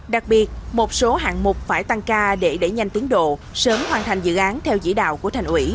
đặc biệt một số hạng mục phải tăng ca để đẩy nhanh tiến độ sớm hoàn thành dự án theo dĩ đạo của thành ủy